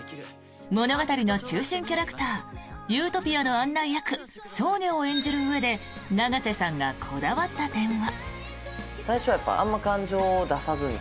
物語の中心キャラクターユートピアの案内役ソーニャを演じるうえで永瀬さんがこだわった点は。